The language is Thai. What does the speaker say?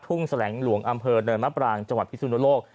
ทุ่งแสลงหลวงอำเภอเนินมะปร่างจังหวัดพิศูนย์โดยโลก